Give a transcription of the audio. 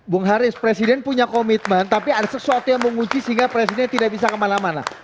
bung haris presiden punya komitmen tapi ada sesuatu yang menguji sehingga presiden tidak bisa kemana mana